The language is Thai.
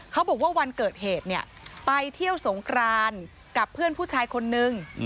เขาบอกว่าวันเกิดเหตุเนี่ยไปเที่ยวสงครานกับเพื่อนผู้ชายคนนึง